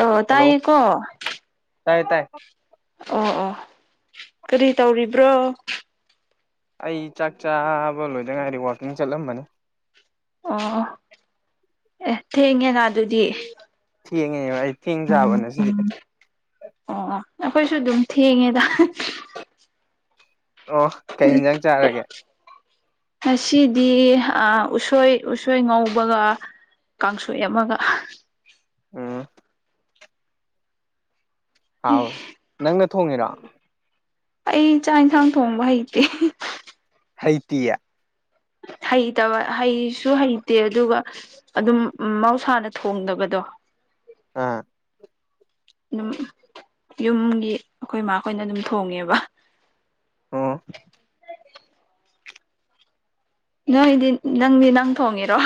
ꯑꯣ ꯍꯜꯂꯣ ꯇꯥꯏꯌꯦꯀꯣ ꯇꯥꯏ ꯇꯥꯏ ꯑꯣ ꯑꯣ ꯀꯔꯤ ꯇꯧꯔꯤꯕ꯭ꯔꯣ ꯑꯩ ꯆꯥꯛ ꯆꯥꯕ ꯂꯣꯏꯗ ꯉꯥꯏꯔꯤ ꯋꯥꯛꯀꯤꯡ ꯆꯠꯂꯝꯕꯅꯤ ꯑꯣ ꯑꯦ ꯊꯦꯡꯉꯦꯅ ꯑꯗꯨꯗꯤ ꯊꯦꯡꯉꯦꯕ ꯑꯩ ꯊꯦꯡ ꯆꯥꯕ ꯉꯁꯤꯗꯤ ꯑꯣ ꯑꯩꯈꯣꯏꯁꯨ ꯑꯗꯨꯝ ꯊꯦꯡꯉꯦꯗ ꯑꯣ ꯀꯩ ꯎꯝ ꯌꯦꯟꯖꯥꯡ ꯆꯥꯔꯒꯦ ꯉꯁꯤꯗꯤ ꯑꯥ ꯎꯁꯣꯏ ꯎꯁꯣꯏ ꯉꯧꯕꯒ ꯀꯥꯡꯁꯣꯏ ꯑꯃꯒ ꯎꯝ ꯍꯥꯎꯔꯦ ꯅꯪꯅ ꯊꯣꯡꯉꯤꯔꯣ ꯑꯩ ꯆꯥꯛ ꯏꯟꯁꯥꯡ ꯊꯣꯡꯕ ꯍꯩꯇꯦ ꯍꯩꯇꯤꯌꯦ ꯍꯩꯇꯕ ꯍꯩꯁꯨ ꯍꯩꯇꯦ ꯑꯗꯨꯒ ꯑꯗꯨꯝ ꯃꯍꯧꯁꯥꯅ ꯊꯣꯡꯗꯕꯗꯣ ꯑꯥ ꯑꯗꯨꯝ ꯌꯨꯝꯒꯤ ꯑꯩꯈꯣꯏ ꯏꯃꯥ ꯃꯈꯣꯏꯅ ꯑꯗꯨꯝ ꯊꯣꯡꯉꯦꯕ ꯑꯥ ꯅꯣꯏꯗꯤ ꯅꯪꯗꯤ ꯅꯪ ꯊꯣꯡꯉꯤꯔꯣ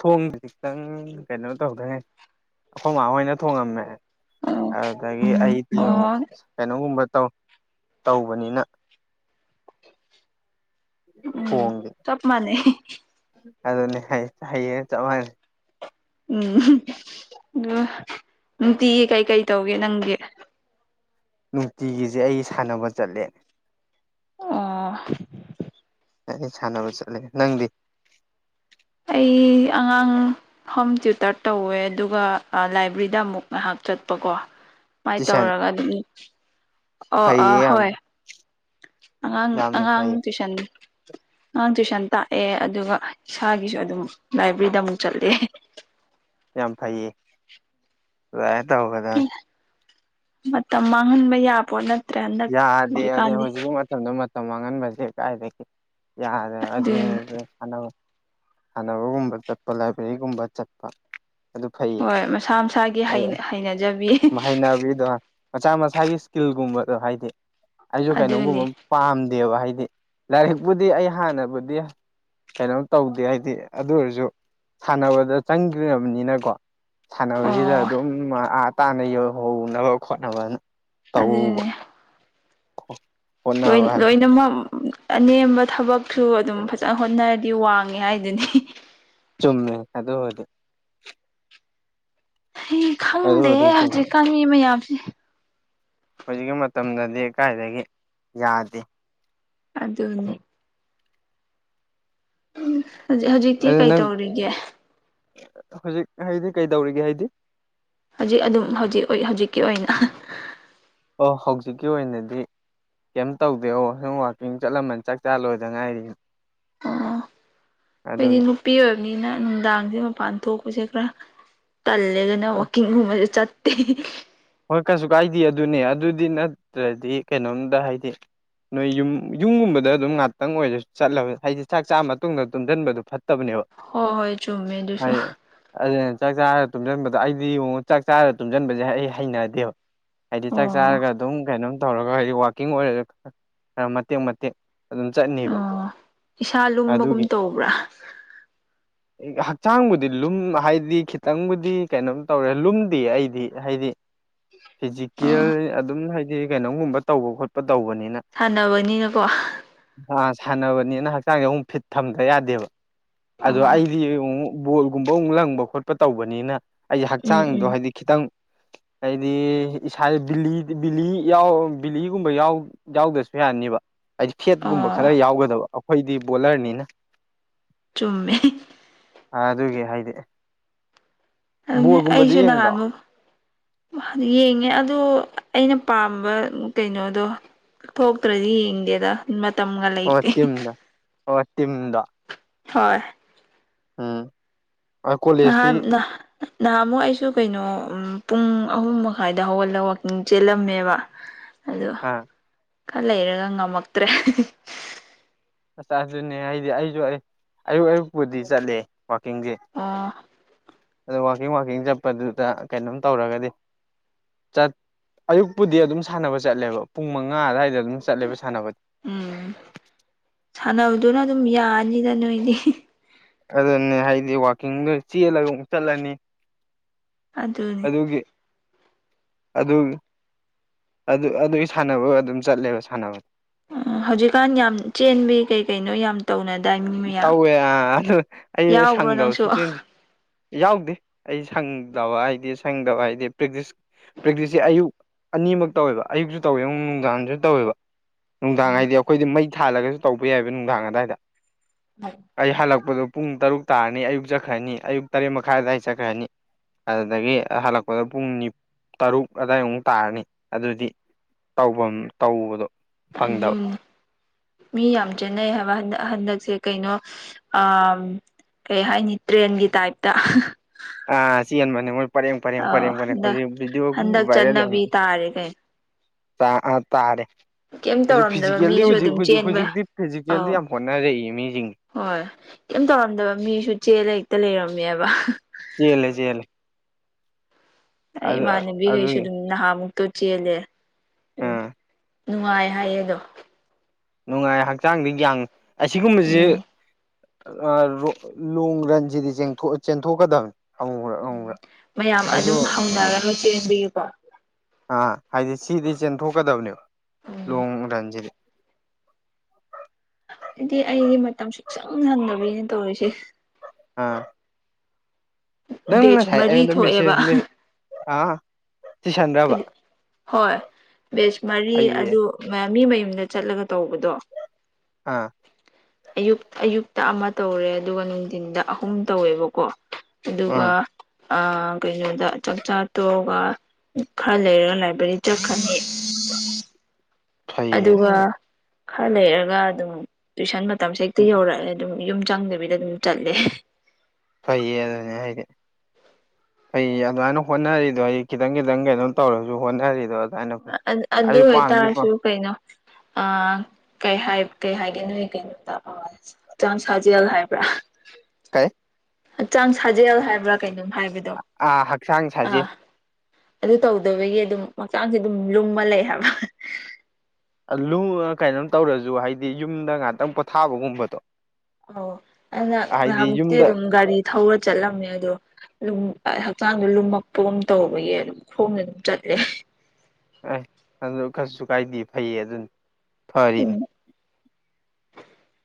ꯊꯣꯡꯕ ꯈꯤꯇꯪ ꯀꯩꯅꯣ ꯇꯧꯗꯩꯉꯥꯢꯔꯤ ꯑꯩꯈꯣꯏ ꯃꯥꯥꯍꯣꯏꯅ ꯊꯣꯡꯉꯝꯃꯦ ꯑꯣ ꯑꯗꯨꯗꯒꯤ ꯑꯩꯗꯤ ꯑꯣ ꯀꯩꯅꯣꯒꯨꯝꯕ ꯇꯧ ꯇꯧꯕꯅꯤꯅ ꯎꯝ ꯊꯣꯡꯒꯦ ꯆꯞ ꯃꯥꯅꯩ ꯑꯗꯨꯅꯦ ꯍꯥꯏ ꯍꯌꯦꯅ ꯆꯞ ꯃꯥꯟꯅꯩ ꯎꯝ ꯑꯗꯨ ꯅꯨꯡꯇꯤꯒꯤ ꯀꯩꯀꯩ ꯇꯧꯒꯦ ꯅꯪꯗꯤ ꯅꯨꯡꯇꯤꯒꯤꯁꯦ ꯑꯩ ꯁꯥꯟꯅꯕ ꯆꯠꯂꯦ ꯑꯣ ꯑꯩ ꯁꯥꯟꯅꯕ ꯆꯠꯂꯦ ꯅꯪꯗꯤ ꯑꯩ ꯑꯉꯥꯡ ꯍꯣꯝ ꯇ꯭ꯌꯨꯇꯔ ꯇꯧꯋꯦ ꯑꯗꯨꯒ ꯂꯥꯏꯕ꯭ꯔꯦꯔꯤꯗ ꯑꯃꯨꯛ ꯉꯥꯏꯍꯥꯛ ꯆꯠꯄꯀꯣ ꯁꯨꯃꯥꯏꯅ ꯇꯨꯏꯁꯟ ꯇꯧꯔꯒ ꯑꯗꯨꯝ ꯑꯣ ꯐꯩꯌꯦ ꯑꯥ ꯌꯥꯝ ꯍꯣꯏ ꯑꯉꯥꯡ ꯌꯥꯝꯅ ꯑꯉꯥꯡ ꯐꯩꯌꯦ ꯇ꯭ꯨꯏꯁꯟ ꯑꯉꯥꯡ ꯇꯨꯏꯁꯟ ꯇꯥꯛꯑꯦ ꯑꯗꯨꯒ ꯏꯁꯥꯒꯤꯁꯨ ꯑꯗꯨꯝ ꯂꯥꯏꯕ꯭ꯔꯦꯔꯤꯗ ꯑꯃꯨꯛ ꯆꯠꯂꯦ ꯌꯥꯝ ꯐꯩꯌꯦ ꯑꯗꯨꯃꯥꯏꯅ ꯇꯧꯒꯗꯅꯤ ꯃꯇꯝ ꯃꯥꯡꯍꯟꯕ ꯌꯥꯄꯣꯠ ꯅ ꯌꯥꯗꯦꯕ ꯑꯗꯗꯨ ꯍꯧꯖꯤꯛ ꯀꯤ ꯃꯇꯝ ꯃꯇꯝꯗ ꯃꯇꯝ ꯃꯥꯡꯍꯟꯕꯁꯦ ꯀꯥꯏꯗꯒꯤ ꯌꯥꯗꯦ ꯑꯗꯨ ꯑꯗꯨꯅꯤ ꯁꯥꯟꯅꯕ ꯁꯥꯟꯅꯕꯒꯨꯝꯕ ꯆꯠꯄ ꯂꯥꯏꯕ꯭ꯔꯦꯔꯤꯒꯨꯝꯕ ꯆꯠꯄ ꯑꯗꯨ ꯐꯩꯌꯦ ꯍꯣꯏ ꯃꯁꯥ ꯃꯁꯥꯒꯤ ꯍꯩꯅꯖꯕꯤ ꯆꯠꯅꯕꯤꯗꯣ ꯃꯁꯥ ꯃꯁꯥꯒꯤ ꯏꯁꯀꯤꯜꯒꯨꯝꯕꯗꯣ ꯍꯥꯏꯗꯤ ꯑꯩꯁꯨ ꯀꯩꯅꯣꯝꯒꯨꯝꯕ ꯑꯗꯨꯅꯤ ꯄꯥꯝꯗꯦꯕ ꯍꯥꯏꯗꯤ ꯂꯥꯏꯔꯤꯛꯄꯨꯗꯤ ꯑꯩ ꯍꯥꯟꯅꯕꯨꯗꯤ ꯀꯩꯅꯣꯝ ꯇꯧꯗꯦ ꯍꯥꯏꯗꯤ ꯑꯗꯨ ꯑꯣꯏꯔꯁꯨ ꯁꯥꯟꯅꯕꯗ ꯆꯪꯈ꯭ꯔꯕꯅꯤꯅꯀꯣ ꯁꯥꯟꯅꯕꯁꯤꯗ ꯑꯣ ꯑꯗꯨꯝ ꯑꯥ ꯇꯥꯅ ꯌꯧꯍꯧꯅꯕ ꯈꯣꯠꯅꯕ ꯑꯗꯨꯅꯦ ꯀꯣ ꯂꯣꯏ ꯂꯣꯏꯅꯃꯛ ꯑꯅꯦꯝꯕ ꯊꯕꯛꯁꯨ ꯑꯗꯨꯝ ꯐꯖꯅ ꯍꯣꯠꯅꯔꯗꯤ ꯋꯥꯡꯉꯦ ꯍꯥꯏꯗꯨꯅꯤ ꯆꯨꯝꯃꯦ ꯑꯗꯨꯕꯨꯗꯤ ꯑꯩ ꯈꯪꯗꯦ ꯑꯗꯨꯕꯨꯗꯤ ꯆꯨꯝꯃꯦ ꯍꯧꯖꯤꯛꯀꯥꯟ ꯃꯤ ꯃꯌꯥꯝꯁꯦ ꯍꯧꯖꯤꯛꯀꯤ ꯃꯇꯝꯗꯗꯤ ꯀꯥꯏꯗꯒꯤ ꯌꯥꯗꯦ ꯑꯗꯨꯅꯦ ꯍꯧꯖꯤꯛ ꯍꯧꯖꯤꯛꯇꯤ ꯑꯗꯨ ꯀꯩ ꯅꯪ ꯇꯧꯔꯤꯒꯦ ꯍꯧꯖꯤꯛ ꯍꯥꯏꯗꯤ ꯀꯩꯗꯧꯔꯤꯒꯦ ꯍꯥꯏꯗꯤ ꯍꯧꯖꯤꯛ ꯑꯗꯨꯝ ꯍꯧꯖꯤꯛ ꯍꯧꯖꯤꯛꯀꯤ ꯑꯣꯏꯅ ꯑꯣ ꯍꯧꯖꯤꯛꯀꯤ ꯑꯣꯏꯅꯗꯤ ꯀꯩꯝ ꯇꯧꯗꯦ ꯑꯣ ꯁꯨꯝ ꯋꯥꯛꯀꯤꯡ ꯆꯠꯂꯝꯃꯟ ꯆꯥꯛ ꯆꯥꯂꯣꯏꯗ ꯉꯥꯏꯔꯤ ꯑꯩꯗꯤ ꯑꯗꯨꯒꯤ ꯅꯨꯄꯤ ꯑꯣꯏꯕꯅꯤꯅ ꯅꯨꯡꯗꯥꯡꯁꯦ ꯃꯄꯥꯟ ꯊꯣꯛꯄꯁꯦ ꯈꯔ ꯇꯜꯂꯦꯒꯅ ꯋꯥꯛꯀꯤꯡꯒꯨꯝꯕꯁꯨ ꯆꯠꯇꯦ ꯍꯣꯏ ꯀꯩꯁꯨ ꯀꯥꯏꯗꯦ ꯑꯗꯨꯅꯦ ꯑꯗꯨꯗꯤ ꯅꯠꯇ꯭ꯔꯗꯤ ꯀꯩꯅꯣꯝꯇ ꯍꯥꯏꯗꯤ ꯅꯣꯏ ꯌꯨꯝ ꯌꯨꯝꯒꯨꯝꯕꯗ ꯑꯗꯨꯝ ꯉꯥꯛꯇꯪ ꯑꯣꯏꯔꯁꯨ ꯆꯠꯂꯕ ꯍꯥꯏꯗꯤ ꯆꯥꯛ ꯆꯥ ꯃꯇꯨꯡꯗ ꯇꯨꯝꯁꯤꯟꯕꯗꯨ ꯐꯠꯇꯕꯅꯦꯕ ꯍꯣꯏ ꯍꯣꯏ ꯆꯨꯝꯃꯦ ꯑꯗꯨꯁꯨ ꯍꯥꯏ ꯑꯗꯨꯅ ꯆꯥꯛ ꯆꯥꯔꯒ ꯇꯨꯝꯁꯤꯟꯕꯗꯣ ꯑꯩꯗꯤ ꯌꯦꯡꯉꯨ ꯆꯥꯛ ꯆꯥꯔꯒ ꯇꯨꯝꯁꯤꯟꯕꯁꯦ ꯑꯩ ꯍꯩꯅꯗꯦꯕ ꯍꯥꯏꯗꯤ ꯆꯥꯛ ꯑꯣ ꯆꯥꯔꯒ ꯑꯗꯨꯝ ꯀꯩꯅꯣꯝ ꯇꯧꯔꯒ ꯍꯥꯏꯗꯤ ꯋꯥꯋꯥꯛꯀꯤꯡ ꯑꯣꯏꯔꯁꯨ ꯈ ꯈꯔ ꯃꯇꯦꯛ ꯃꯇꯦꯛ ꯑꯗꯨꯝ ꯆꯠꯅꯦꯕ ꯑꯣ ꯏꯁꯥ ꯂꯨꯝꯕꯒꯨꯝ ꯑꯗꯨꯒꯤ ꯇꯧꯕ꯭ꯔꯥ ꯍꯛꯆꯥꯡꯕꯨꯗꯤ ꯂꯨꯝ ꯍꯥꯏꯗꯤ ꯈꯤꯇꯪꯕꯨꯗꯤ ꯀꯩꯅꯣꯝ ꯇꯧꯔꯦ ꯂꯨꯝꯗꯦ ꯑꯩꯗꯤ ꯍꯥꯏꯗꯤ ꯑꯣ ꯐꯤꯖꯤꯀꯦꯜ ꯑꯗꯨꯝ ꯍꯥꯏꯗꯤ ꯀꯩꯅꯣꯒꯨꯝꯕ ꯇꯧꯕ ꯈꯣꯠꯄ ꯇꯧꯕꯅꯤꯅ ꯁꯥꯟꯅꯕꯅꯤꯅꯀꯣ ꯑ ꯁꯥꯟꯅꯕꯅꯤꯅ ꯍꯛꯆꯥꯡꯁꯦ ꯑꯃꯨꯛ ꯐꯤꯠ ꯐꯝꯗ ꯌꯥꯗꯦꯕ ꯑꯣ ꯑꯗꯣ ꯑꯩꯗꯤ ꯑꯃꯨꯛ ꯕꯣꯜꯒꯨꯝꯕ ꯑꯃꯨꯛ ꯂꯪꯕ ꯈꯣꯠꯄ ꯇꯧꯕꯅꯤꯅ ꯑꯩ ꯎꯝ ꯍꯛꯆꯥꯡꯗꯣ ꯎꯝ ꯍꯥꯏꯗꯤ ꯈꯤꯇꯪ ꯍꯥꯏꯗꯤ ꯏꯁꯥꯕꯤ ꯕꯤꯂꯤ ꯌꯥꯎ ꯕꯤꯂꯤꯒꯨꯝꯕ ꯌꯥꯎ ꯌꯥꯎꯗꯁꯨ ꯌꯥꯅꯤꯕ ꯍꯥꯏꯗꯤ ꯐꯦꯠꯀꯨꯝꯕ ꯑꯣ ꯈꯔ ꯌꯥꯎꯒꯗꯕ ꯑꯩꯈꯣꯏꯗꯤ ꯕꯣꯂꯔꯅꯤꯅ ꯆꯨꯝꯃꯦ ꯑ ꯑꯗꯨꯒꯤ ꯍꯥꯏꯗꯦ ꯑꯗꯨ ꯑꯩꯁꯨ ꯌꯦꯡꯗ꯭ꯔꯣ ꯅꯍꯥꯟꯅꯨ ꯌꯦꯡꯉꯦ ꯑꯗꯣ ꯑꯩꯅ ꯄꯥꯝꯕ ꯀꯩꯅꯣꯗꯣ ꯊꯣꯛꯇ꯭ꯔꯗꯤ ꯌꯦꯡꯗꯦꯗ ꯃꯇꯝꯒ ꯑꯣ ꯂꯩꯇꯦ ꯇꯝꯗ ꯑꯣ ꯇꯝꯗ ꯍꯣꯏ ꯎꯝ ꯉꯍꯥꯟ ꯀꯣꯂꯦꯖꯇꯤ ꯅꯍꯥꯟ ꯑꯃꯨꯛ ꯑꯩꯁꯨ ꯀꯩꯅꯣ ꯄꯨꯡ ꯑꯍꯨꯝ ꯃꯈꯥꯏꯗ ꯍꯧꯒꯜꯂꯒ ꯋꯥꯛꯀꯤꯡ ꯆꯦꯜꯂꯝꯃꯦꯕ ꯑꯗꯣ [unintelligible] ꯈꯔ ꯂꯩꯔꯒ ꯉꯝꯃꯛꯇ꯭ꯔꯦ ꯆꯆꯥꯁꯨꯅꯦ ꯍꯥꯏꯗꯤ ꯑꯩꯁꯨ ꯑꯌꯨꯛ ꯑꯌꯨꯛꯄꯨꯗꯤ ꯆꯠꯂꯦ ꯋꯥꯋꯥꯛꯀꯤꯡꯁꯦ ꯑꯣ ꯑꯗ ꯋꯥꯋꯥꯛꯀꯤꯡ ꯋꯀꯤꯡ ꯆꯠꯄꯗꯨꯗ ꯀꯩꯅꯣꯝ ꯇꯧꯔꯒꯗꯤ ꯑꯌꯨꯛꯄꯨꯗꯤ ꯑꯗꯨꯝ ꯁꯥꯟꯅꯕ ꯆꯠꯂꯦꯕ ꯄꯨꯡ ꯃꯉꯥ ꯑꯗꯨꯋꯥꯏꯗ ꯑꯗꯨꯝ ꯆꯠꯂꯦꯕ ꯁꯥꯟꯅꯕ ꯎꯝ ꯁꯥꯟꯅꯕꯗꯨꯅ ꯑꯗꯨꯝ ꯌꯥꯅꯤꯗ ꯅꯣꯏꯗꯤ ꯑꯗꯨꯅꯦ ꯍꯥꯏꯗꯤ ꯋꯥꯋꯥꯛꯀꯤꯡꯗ ꯆꯦꯜꯂꯒ ꯑꯃꯨꯛ ꯆꯠꯂꯅꯤ ꯑꯗꯨꯅꯤ ꯑꯗꯨꯒꯤ ꯑꯗꯨ ꯑꯗꯨ ꯑꯗꯨꯒꯤ ꯁꯥꯟꯅꯕ ꯑꯗꯨꯝ ꯆꯠꯂꯦꯕ ꯁꯥꯟꯅꯕꯗ ꯎꯝ ꯍꯧꯖꯤꯛꯀꯥꯟ ꯌꯥꯝ ꯆꯦꯟꯕꯤ ꯀꯩ ꯀꯩꯅꯣ ꯌꯥꯝ ꯇꯧꯅꯗꯥꯏ ꯃꯤ ꯃꯌꯥꯝ ꯇꯧꯋꯦ ꯑꯥ ꯑꯗꯨ ꯑꯩ ꯌꯥꯎꯕ꯭ꯔꯣ ꯅꯪꯁꯨ ꯁꯪꯗꯕꯁꯨ ꯆꯦꯟꯁꯤ ꯌꯥꯎꯗꯦ ꯑꯩ ꯁꯪꯗꯕ ꯍꯥꯏꯗꯤ ꯁꯪꯗꯕ ꯍꯥꯏꯗꯤ ꯄ꯭ꯔꯦꯛꯇꯤꯁ ꯄ꯭ꯔꯦꯛꯇꯤꯁꯁꯦ ꯑꯌꯨꯛ ꯑꯅꯤꯃꯛ ꯇꯧꯋꯦꯕ ꯑꯌꯨꯛꯁꯨ ꯇꯧꯋꯦ ꯑꯃꯛ ꯅꯨꯡꯗꯥꯡꯁꯨ ꯇꯧꯋꯦꯕ ꯅꯨꯡꯗꯥꯡ ꯍꯥꯏꯗꯤ ꯑꯩꯈꯣꯏꯗꯤ ꯃꯩ ꯊꯥꯜꯂꯒꯁꯨ ꯇꯧꯕ ꯌꯥꯏꯑꯕ ꯅꯨꯡꯗꯥꯡ ꯑꯗꯥꯋꯥꯏꯗ ꯑꯩꯏ ꯑꯩ ꯍꯜꯂꯛꯄꯗꯣ ꯄꯨꯡ ꯇꯔꯨꯛ ꯇꯥꯔꯅꯤ ꯑꯌꯨꯛ ꯆꯠꯈ꯭ꯔꯅꯤ ꯑꯌꯨꯛ ꯇꯔꯦꯠ ꯃꯈꯥꯏꯗ ꯑꯑꯗꯥꯏ ꯆꯠꯈ꯭ꯔꯅꯤ ꯑꯗꯨꯗꯒꯤ ꯍꯜꯂꯛꯄꯗ ꯄꯨꯡ ꯅꯤꯞ ꯇꯔꯨꯛ ꯑꯗꯥꯏꯃꯨꯛ ꯇꯥꯔꯅꯤ ꯑꯗꯨꯗꯤ ꯇꯥꯎꯕꯝ ꯇꯧꯕꯗꯣ ꯐꯪꯗꯕ ꯑꯗꯨꯅꯤ ꯃꯤ ꯌꯥꯝ ꯆꯦꯟꯅꯩ ꯍꯥꯏꯕ ꯍꯟꯗꯛ ꯍꯟꯗꯛꯁꯦ ꯀꯩꯅꯣ ꯑ ꯀꯩ ꯍꯥꯏꯅꯤ ꯇ꯭ꯔꯦꯟꯒꯤ ꯇꯥꯏꯞꯇ ꯑ ꯆꯦꯟꯕꯅꯦ ꯃꯣꯏ ꯄꯔꯦꯡ ꯄꯔꯦꯡ ꯑ ꯄꯔꯦꯡ ꯄꯔꯦꯡ ꯍꯟꯗꯛ ꯍꯧꯖꯤꯛ ꯕꯤꯗꯤꯑꯣ ꯍꯟꯗꯛ ꯕꯥꯥꯏꯔꯦꯜ ꯌꯥꯝ ꯆꯠꯅꯕꯤ ꯇꯥꯔꯦ ꯀꯩ ꯇꯥ ꯑꯥ ꯇꯥꯔꯦ ꯀꯩꯝ ꯍꯨꯖꯤꯛ ꯇꯧꯔꯝꯗꯕ ꯐꯤꯖꯤꯀꯦꯜꯂꯤ ꯃꯤꯁꯨ ꯍꯨꯖꯤꯛ ꯑꯗꯨꯝ ꯍꯨꯖꯤꯛ ꯆꯦꯟꯕ ꯍꯨꯖꯤꯛꯇꯤ ꯐꯤꯖꯤꯀꯦꯜꯜꯂꯤ ꯑꯧ ꯌꯥꯝ ꯍꯣꯠꯅꯔꯛꯏꯑ ꯃꯤꯁꯤꯡꯁꯦ ꯍꯣꯏ ꯀꯩꯝ ꯇꯧꯔꯝꯗꯕ ꯃꯤꯁꯨ ꯆꯦꯜꯂꯥ ꯍꯦꯛꯇꯥ ꯂꯩꯔꯝꯃꯦꯕ ꯆꯦꯜꯂꯦ ꯆꯦꯜꯂꯦ ꯑꯩ ꯑꯗꯨ ꯏꯃꯥꯟꯅꯕꯤꯈꯩꯁꯨ ꯑꯗꯨꯒꯤ ꯑꯗꯨꯝ ꯅꯍꯥꯃꯨꯛ ꯇꯣ ꯆꯦꯜꯂꯦ ꯎꯝ ꯑꯥ ꯅꯨꯡꯉꯥꯏ ꯍꯥꯏꯌꯦ ꯑꯗꯣ ꯅꯨꯡꯉꯥꯏ ꯍꯛꯆꯥꯡꯗꯤ ꯌꯥꯡ ꯑꯁꯤꯒꯨꯝꯕꯁꯤ ꯎꯝ ꯑ ꯔꯣ ꯂꯣꯡ ꯔꯟꯁꯤꯗꯤ ꯆꯦꯡꯊꯣꯛ ꯆꯦꯟꯊꯣꯛꯀꯗꯕꯅꯤ ꯑꯃꯨꯛꯔꯛ ꯎꯝ ꯑꯃꯨꯛꯔꯛ ꯃꯌꯥꯝ ꯑꯩꯁꯨ ꯑꯗꯨꯝ ꯍꯧꯅꯔꯒ ꯆꯦꯟꯕꯤꯌꯨꯕ ꯑꯥ ꯍꯥꯏꯗꯤ ꯁꯤꯗꯤ ꯆꯦꯟꯊꯣꯛꯀꯗꯕꯅꯦꯕ ꯎꯝ ꯂꯣꯡ ꯔꯟꯁꯤꯗꯤ ꯑꯩꯗꯤ ꯑꯩꯒꯤ ꯃꯇꯝꯁꯨ ꯁꯨꯛꯁꯡ ꯁꯡꯗꯕꯤꯅꯦ ꯇꯧꯔꯤꯁꯦ ꯑꯝ ꯅꯪ ꯕꯦꯠꯁ ꯉꯁꯥꯏ ꯃꯔꯤ ꯑꯩꯉꯣꯟꯗ ꯃꯦꯁꯦꯖ ꯊꯣꯛꯑꯦꯕ ꯃꯦꯁꯦ ꯑꯥ ꯆꯤꯁꯟꯕ꯭ꯔꯕ ꯍꯣꯏ ꯕꯦꯖ ꯃꯔꯤ ꯐꯩꯌꯦ ꯑꯗꯨ ꯃꯌꯥꯝ ꯃꯤ ꯃꯌꯨꯝꯗ ꯆꯠꯂꯒ ꯇꯧꯕꯗꯣ ꯑꯥ ꯑꯌꯨꯛ ꯑꯌꯨꯛꯇ ꯑꯃ ꯇꯧꯔꯦ ꯑꯗꯨꯒ ꯅꯨꯡꯊꯤꯟꯗ ꯑꯍꯨꯝ ꯇꯧꯋꯦꯕꯀꯣ ꯑꯗꯨꯒ ꯎꯝ ꯑ ꯀꯩꯅꯣꯗ ꯆꯥꯛꯆꯥꯥ ꯇꯣꯛꯑꯒ ꯈꯔ ꯂꯩꯔꯒ ꯂꯥꯏꯕ꯭ꯔꯦꯔꯤ ꯆꯠꯈ꯭ꯔꯅꯤ ꯑꯗꯨꯒ ꯐꯩꯌꯦ ꯈꯔ ꯂꯩꯔꯒ ꯑꯗꯨꯝ ꯇꯨꯏꯁꯟ ꯃꯇꯝ ꯁꯦ ꯍꯦꯛꯇ ꯌꯧꯔꯛꯂꯦ ꯑꯗꯨꯝ ꯌꯨꯝ ꯆꯪꯗꯕꯤꯗ ꯑꯗꯨꯝ ꯆꯠꯂꯦ ꯐꯩꯌꯦ ꯑꯗꯨꯅꯦ ꯍꯥꯏꯗꯤ ꯐꯩ ꯑꯗꯨꯃꯥꯏꯅ ꯍꯣꯠꯅꯔꯤꯗꯣ ꯑꯩ ꯈꯤꯇꯪ ꯈꯤꯇꯪ ꯀꯩꯅꯣ ꯇꯧꯔꯁꯨ ꯍꯣꯠꯅꯔꯤꯗꯣ ꯑꯗꯨꯃꯥꯏꯅ ꯐꯩ ꯑ ꯑꯗꯨ ꯑꯩꯁꯨ ꯄꯥꯝꯗꯤ ꯄꯥꯝ ꯑꯣꯏꯇꯥꯔꯁꯨ ꯀꯩꯅꯣ ꯑ ꯀꯩ ꯍꯥꯏ ꯀꯩ ꯍꯥꯏꯒꯦ ꯅꯣꯏ ꯀꯩꯅꯣꯗ ꯍꯛꯆꯥꯡ ꯁꯥꯖꯦꯜ ꯍꯥꯏꯕ꯭ꯔꯥ ꯀꯩ ꯍꯛꯆꯥꯡ ꯁꯥꯖꯦꯜ ꯍꯥꯏꯕ꯭ꯔꯥ ꯀꯩꯅꯣꯝ ꯍꯥꯏꯕꯗꯣ ꯑꯥ ꯍꯛꯆꯥꯡ ꯁꯥꯖꯦꯜ ꯑꯥ ꯑꯗꯨ ꯇꯧꯗꯕꯒꯤ ꯑꯗꯨꯝ ꯍꯛꯆꯥꯡꯁꯦ ꯑꯗꯨꯝ ꯂꯨꯝꯃ ꯂꯩ ꯍꯥꯏꯕ ꯂꯨ ꯀꯩꯅꯣꯝ ꯇꯧꯔꯁꯨ ꯍꯥꯏꯗꯤ ꯌꯨꯝꯗ ꯉꯥꯛꯇꯪ ꯄꯣꯊꯥꯕꯒꯨꯝꯕꯗꯣ ꯑꯎ ꯍꯥꯏꯗꯤ ꯅꯍꯥꯟꯃꯨꯛꯇꯤ ꯌꯨꯝꯗ ꯑꯗꯨꯝ ꯒꯥꯔꯤ ꯊꯧꯔ ꯆꯠꯂꯝꯃꯦ ꯑꯗꯣ ꯂꯨꯝ ꯍꯛꯆꯥꯡꯁꯦ ꯂꯨꯝꯃꯛꯄꯒꯨꯝ ꯇꯧꯕꯒꯤ ꯑꯗꯨꯝ ꯈꯣꯡꯅ ꯑꯗꯨꯝ ꯆꯠꯂꯦ ꯑꯩ ꯑꯗꯨ ꯀꯩꯁꯨ ꯀꯥꯏꯗꯦ ꯐꯩꯌꯦ ꯑꯗꯨꯅꯤ ꯎꯝ ꯐꯔꯤꯅꯤ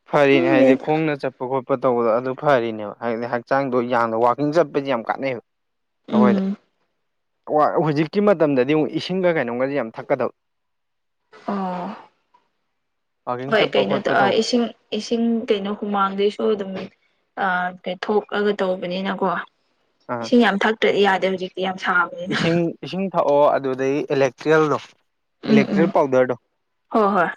ꯐꯔꯤꯅꯤ ꯍꯥꯏꯗꯤ ꯈꯪꯗꯦꯗ ꯈꯣꯡꯅ ꯆꯠꯄ ꯆꯠꯄ ꯈꯣꯠꯄ ꯇꯧꯕꯗ ꯑꯗꯨ ꯐꯔꯤꯅꯦꯕ ꯍꯥꯏꯕꯗꯤ ꯍꯛꯆꯥꯡꯗꯣ ꯌꯥꯝꯅ ꯋꯥꯋꯀꯤꯡ ꯆꯠꯄꯖꯦ ꯌꯥꯝ ꯀꯥꯟꯅꯩꯑꯕ ꯎꯝ ꯑꯩꯈꯣꯏꯗ ꯍꯧꯖꯤꯛꯀꯤ ꯃꯇꯝꯗꯗꯤ ꯑꯃꯨꯛ ꯏꯁꯤꯡꯒ ꯀꯩꯅꯣꯝꯒꯁꯦ ꯌꯥꯝ ꯊꯛꯀꯗꯕ ꯑꯣ ꯋꯥꯛꯀꯤꯡ ꯍꯣꯏ ꯆꯠꯄ ꯀꯩꯅꯣ ꯈꯣꯠꯄ ꯇꯧ ꯇꯧꯕ ꯏꯁꯤꯡ ꯏꯁꯤꯡ ꯀꯩꯅꯣ ꯍꯨꯃꯥꯡꯗꯩꯁꯨ ꯑꯗꯨꯝ ꯀꯩꯊꯣꯛꯂꯒ ꯇꯧꯕꯅꯤꯅꯀꯣ ꯑꯥ ꯏꯁꯤꯡ ꯌꯥꯝ ꯊꯛꯇ꯭ꯔꯗꯤ ꯌꯥꯗꯦ ꯍꯧꯖꯤꯛꯇꯤ ꯌꯥꯝ ꯁꯥꯕ ꯏꯁꯤꯡ ꯏꯁꯤꯡ ꯊꯛꯑꯣ ꯑꯗꯨꯗꯒꯤ ꯑꯦꯂꯦꯛꯀꯦꯜꯗꯣ ꯎꯝ ꯎꯝ ꯏꯂꯦꯛꯇ꯭ꯔꯤꯛ ꯄꯥꯎꯗꯔꯗꯣ ꯍꯣꯏ ꯍꯣꯏ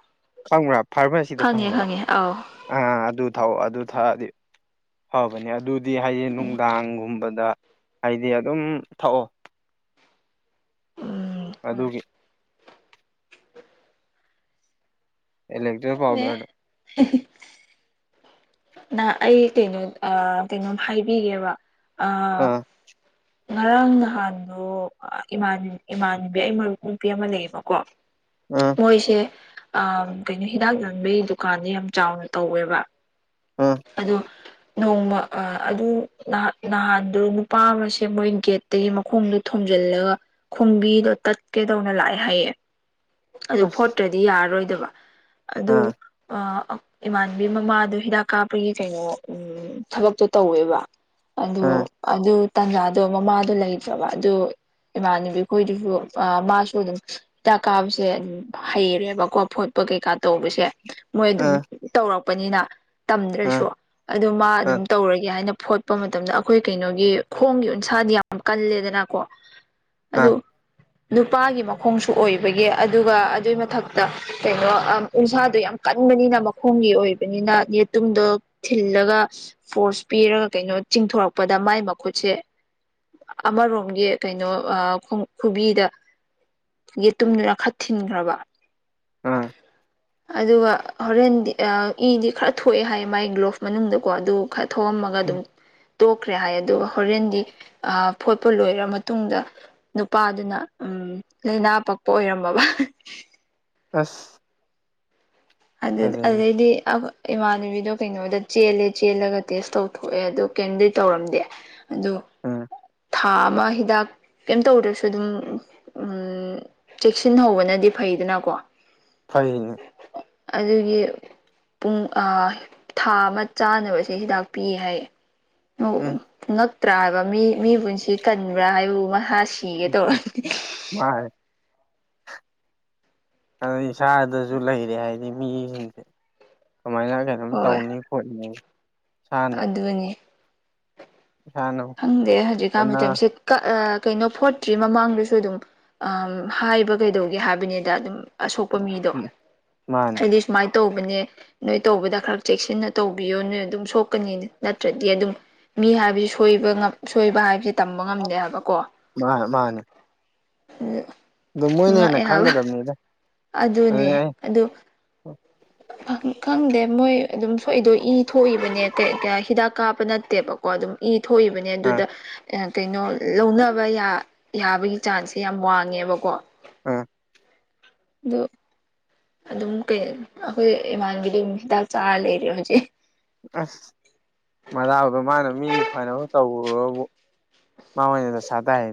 ꯈꯪꯕ꯭ꯔꯥ ꯐꯥꯔꯃꯥꯁꯤꯗ ꯈꯪꯉꯦ ꯐꯪꯕꯗꯣ ꯈꯪꯉꯦ ꯑꯧ ꯑ ꯑꯗꯨ ꯊꯛꯑꯣ ꯑꯗꯨ ꯊꯛꯑꯗꯤ ꯐꯕꯅꯦ ꯑꯗꯨꯗꯤ ꯍꯥꯏꯗꯤ ꯅꯨꯡꯗꯥꯡꯒꯨꯝꯕꯗ ꯍꯥꯏꯗꯤ ꯑꯗꯨꯝ ꯊꯛꯑꯣ ꯎꯝ ꯍꯣꯏ ꯑꯗꯨꯒꯤ ꯏꯂꯛꯇ꯭ꯔꯤꯦꯜ ꯐꯥꯎꯗꯣꯣ ꯎ ꯅ ꯑꯩ ꯀꯩꯅꯣ ꯀꯩꯅꯣꯝ ꯍꯥꯏꯕꯤꯒꯦꯕ ꯑ ꯑꯥ ꯉꯔꯥꯡ ꯅꯍꯥꯟꯗꯣ ꯏꯃꯥꯟꯅꯕꯤ ꯑꯩ ꯃꯔꯨꯞ ꯅꯨꯄꯤ ꯑꯃ ꯂꯩꯌꯦꯕꯀꯣ ꯑ ꯃꯣꯏꯁꯦ ꯑ ꯀꯩꯅꯣ ꯍꯤꯗꯥꯛ ꯂꯟꯕꯒꯤ ꯗꯨꯀꯥꯟꯁ ꯌꯥꯝ ꯆꯥꯎꯅ ꯇꯧꯋꯦꯕ ꯑ ꯑꯗꯣ ꯅꯣꯡꯃ ꯑꯗꯨ ꯅꯍꯥꯟꯗ ꯅꯨꯄꯥ ꯑꯃꯁꯦ ꯃꯣꯏ ꯒꯦꯠ ꯑꯒꯤ ꯃꯈꯣꯡꯗꯣ ꯊꯣꯝꯖꯤꯜꯂꯒ ꯈꯣꯡꯕꯤꯗꯣ ꯇꯠꯀꯦꯗꯧꯅ ꯂꯥꯛꯑꯦ ꯍꯥꯏꯌꯦ ꯑꯗꯨ ꯑꯁ ꯐꯣꯇ ꯌꯥꯔꯔꯣꯏꯗꯕ ꯑꯗꯨ ꯑꯥ ꯏꯃꯥꯟꯕꯤ ꯃꯃꯥꯗ ꯍꯤꯗ ꯀꯥꯞꯄꯒꯤ ꯀꯩꯅꯣ ꯊꯕꯛꯇꯣ ꯇꯧꯋꯦꯕ ꯑꯥ ꯑꯗꯣ ꯑꯗꯨ ꯇꯥꯟꯖꯥꯗꯣ ꯃꯃꯥꯗꯣ ꯂꯩꯇ꯭ꯔꯕ ꯑꯗꯨ ꯏꯃꯥꯟꯅꯕꯤ ꯑꯩꯈꯣꯏꯗꯨꯁꯨ ꯃꯥꯁꯨ ꯑꯗꯨꯝ ꯍꯤꯗꯥꯛ ꯀꯥꯕꯁꯦ ꯑꯗꯨꯝ ꯍꯩꯔꯦꯕꯀꯣ ꯐꯣꯠꯄ ꯀꯩꯀꯥ ꯇꯧꯕꯁꯦ ꯃꯣꯏ ꯑꯗꯨꯝ ꯑꯥ ꯇꯧꯔꯛꯄꯅꯤꯅ ꯇꯝꯗ꯭ꯔꯁꯨ ꯑꯥ ꯑꯗꯨ ꯃꯥ ꯑꯥ ꯑꯗꯨꯝ ꯇꯧꯔꯒꯦ ꯍꯥꯏꯅ ꯐꯣꯠ ꯀꯠꯄ ꯃꯇꯝꯗ ꯑꯩꯈꯣꯏ ꯀꯩꯅꯣꯒꯤ ꯈꯣꯡꯒꯤ ꯎꯟꯁꯥꯗꯤ ꯌꯥꯝ ꯀꯜꯂꯦꯗꯅꯀꯣ ꯑꯗꯨ ꯑꯥ ꯅꯨꯄꯥꯒꯤ ꯃꯈꯣꯡꯁꯨ ꯑꯣꯏꯕ ꯍꯥꯏꯒꯤ ꯑꯗꯨꯒ ꯑꯗꯨꯒꯤ ꯃꯊꯛꯇ ꯀꯩꯅꯣ ꯎꯟꯁꯥꯗꯣ ꯌꯥꯝ ꯀꯟꯕꯅꯤꯅ ꯈꯣꯡꯒꯤ ꯑꯣꯏꯕꯅꯤꯅ ꯇꯨꯝꯗꯣ ꯊꯤꯜꯂꯒ ꯐꯣꯔꯁ ꯄꯤꯔꯒ ꯀꯩꯅꯣ ꯆꯤꯡꯊꯣꯔꯛꯄꯗ ꯃꯥꯏ ꯃꯈꯨꯠꯁꯦ ꯑꯃꯔꯣꯝꯒꯤ ꯀꯩꯅꯣ ꯈꯨꯕꯤꯗ ꯌꯦꯇꯨꯝꯗꯨꯅ ꯈꯠ ꯊꯤꯟꯈ꯭ꯔꯕ ꯑꯥ ꯑꯗꯨꯒ ꯍꯣꯔꯦꯟꯗꯤ ꯏꯗꯤ ꯈꯔ ꯊꯣꯛꯑꯦ ꯍꯥꯏ ꯃꯥꯏ ꯒ꯭ꯂꯣꯐ ꯃꯅꯨꯡꯗꯀꯣ ꯑꯗꯨ ꯈꯔ ꯊꯣꯛꯑꯝꯃꯒ ꯑꯗꯨꯝ ꯇꯣꯛꯈ꯭ꯔꯦ ꯍꯥꯏ ꯑꯗꯨꯒ ꯍꯣꯔꯦꯟꯗꯤ ꯐꯣꯠꯄ ꯂꯣꯏꯔ ꯃꯇꯨꯡꯗ ꯅꯨꯄꯥꯗꯨꯅ ꯎꯝ ꯂꯥꯏꯅꯥ ꯄꯛꯄ ꯑꯣꯏꯔꯃꯕ ꯑꯁ ꯑꯗꯨꯗꯗꯤ ꯐꯖꯩꯅꯦ ꯑꯗꯨꯗꯩꯗꯤ ꯏꯃꯥꯟꯅꯕꯤꯗꯣ ꯀꯩꯅꯣꯗ ꯆꯦꯜꯂꯦ ꯆꯦꯜꯂꯒ ꯇꯦꯁ ꯇꯧꯊꯣꯛꯑꯦ ꯑꯗꯣ ꯀꯦꯟꯗꯤ ꯇꯧꯔꯝꯗꯦ ꯑꯗꯣ ꯑꯝ ꯊꯥ ꯑꯃ ꯍꯤꯗꯥꯛ ꯀꯩꯝ ꯇꯧꯗ꯭ꯔꯁꯨ ꯑꯗꯨꯝ ꯆꯦꯛꯁꯤꯟ ꯍꯧꯕꯅꯗꯤ ꯐꯩꯗꯅꯀꯣ ꯍꯥꯏꯅꯦ ꯑꯗꯨꯒꯤ ꯄꯨꯡ ꯊꯥ ꯑꯃ ꯆꯥꯅꯕꯁꯦ ꯍꯤꯗꯥꯛ ꯄꯤꯌꯦ ꯍꯥꯏꯌꯦ ꯎꯝ ꯉꯛꯇ꯭ꯔꯥ ꯍꯥꯏꯕ ꯃꯤ ꯃꯤ ꯄꯨꯟꯁꯤ ꯀꯟꯕ꯭ꯔꯥ ꯍꯥꯏꯕꯕꯨ ꯃꯁꯥ ꯁꯤꯒꯗꯥ ꯃꯥ ꯑꯗ ꯏꯁꯥꯗꯁꯨ ꯂꯩꯔꯦ ꯍꯥꯏꯗꯤ ꯃꯤꯁꯤꯡꯁꯦ ꯀꯃꯥꯏꯅ ꯑꯗꯨꯝ ꯍꯣꯏ ꯇꯧꯅꯤ ꯈꯣꯠꯅꯤ ꯏꯁꯥꯅ ꯑꯗꯨꯅꯤ ꯏꯁꯥꯅ ꯈꯪꯗꯦ ꯍꯧꯖꯤꯛꯀꯥꯟ ꯍꯣꯠꯅ ꯃꯇꯝꯇꯁꯤꯠ ꯀꯩꯅꯣ ꯐꯣꯔꯠꯇ꯭ꯔꯤ ꯃꯃꯥꯡꯗꯁꯨ ꯑꯗꯨꯝ ꯍꯥꯏꯕ ꯀꯩꯗꯧꯒꯦ ꯍꯥꯏꯕꯅꯤꯗ ꯑꯗꯨꯝ ꯑꯁꯣꯛꯄ ꯃꯤꯗꯣ ꯃꯥꯅꯤ ꯑꯩꯗꯤ ꯁꯨꯃꯥꯏꯅ ꯇꯧꯕꯅꯦ ꯅꯣꯏ ꯇꯧꯕꯗ ꯈꯔ ꯆꯦꯛꯁꯤꯟꯅ ꯇꯧꯕꯤꯌꯣ ꯅꯣꯏ ꯑꯗꯨꯝ ꯁꯣꯛꯀꯅꯤ ꯅꯠꯇ꯭ꯔꯗꯤ ꯑꯗꯨꯝ ꯃꯤ ꯍꯥꯏꯕꯁꯨ ꯣꯏꯕ ꯁꯣꯏꯕ ꯍꯥꯏꯕꯕꯁꯤꯦ ꯇꯝꯕ ꯉꯝꯗꯦꯕꯀꯣ ꯑꯗꯨ ꯃꯥ ꯃꯥꯅꯤ ꯑꯗꯨ ꯃꯣꯏꯅꯤꯦꯟꯅ ꯈꯪꯒꯗꯕꯅꯤꯦ ꯑꯗꯨꯅꯦ ꯑꯗꯨ ꯈꯪꯗꯦ ꯃꯣꯏ ꯑꯗꯨꯝ ꯁꯣꯏꯏꯗꯣ ꯏ ꯊꯣꯛꯏꯕꯅꯦ ꯀ ꯍꯤꯗꯥꯛ ꯀꯥꯞꯄ ꯅꯠꯇꯦꯕꯀꯣ ꯑꯗꯨꯝ ꯏ ꯊꯣꯛꯏꯕꯅꯦ ꯑꯥ ꯑꯗꯨꯗ ꯀꯩꯅꯣ ꯂꯧꯅꯕ ꯌꯥ ꯌꯥꯕꯒꯤ ꯆꯥꯟꯁꯁꯦ ꯌꯥꯝ ꯋꯥꯡꯉꯦꯕꯀꯣ ꯑꯥ ꯑ ꯑꯗꯨꯝ ꯀꯩ ꯑꯩꯈꯣꯏ ꯏꯃꯥꯟꯒꯤꯗꯤ ꯑꯗꯨꯝ ꯍꯤꯗꯥꯛ ꯆꯥ ꯂꯩꯔꯦ ꯍꯧꯖꯤꯛ ꯑꯁ ꯃꯖꯥꯗꯣ ꯃꯥꯅ ꯃꯤ ꯐꯅꯕ ꯇꯧꯔꯕꯨ ꯃꯥꯃ ꯁꯥꯗꯥ ꯍꯥꯏ